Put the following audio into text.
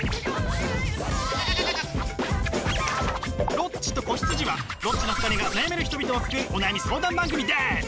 「ロッチと子羊」はロッチの２人が悩める人々を救うお悩み相談番組です！